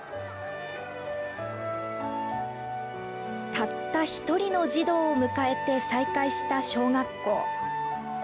たった１人の児童を迎えて再開した小学校。